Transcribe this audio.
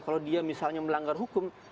kalau dia misalnya melanggar hukum